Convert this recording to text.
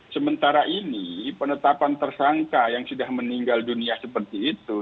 sementara ini penetapan tersangka yang sudah meninggal dunia seperti itu